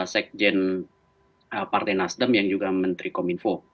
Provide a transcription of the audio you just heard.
sekjen partai nasdem yang juga menteri kominfo